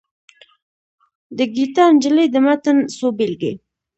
د ګیتا نجلي د متن څو بېلګې.